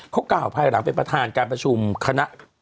เขากล่าวภายหลังเป็นประธานการประชุมคณะ